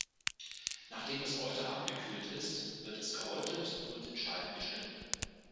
Nachdem das Euter abgekühlt ist, wird es gehäutet und in Scheiben geschnitten.